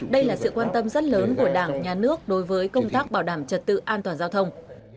đây là sự quan tâm rất lớn của đảng nhà nước đối với công tác bảo đảm trật tự an toàn giao thông